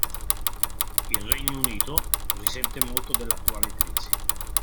Il Regno Unito risente molto dell'attuale crisi.